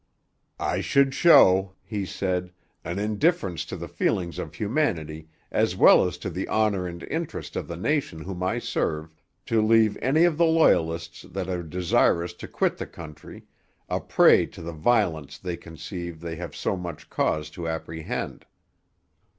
'I should show,' he said, 'an indifference to the feelings of humanity, as well as to the honour and interest of the nation whom I serve, to leave any of the Loyalists that are desirous to quit the country, a prey to the violence they conceive they have so much cause to apprehend.'